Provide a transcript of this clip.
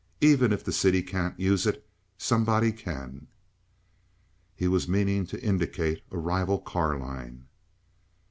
Even if the city can't use it, somebody can." He was meaning to indicate a rival car line.